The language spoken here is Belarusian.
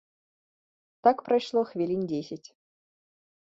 Так прайшло хвілін дзесяць.